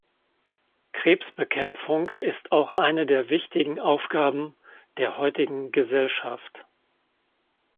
Krebsbekämpfung ist auch eine der wichtigen Aufgaben der heutigen Gesellschaft.